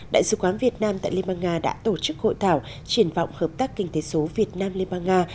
đại sứ quán việt nam tại liên bang nga đã tổ chức hội thảo triển vọng hợp tác kinh tế số việt nam liên bang nga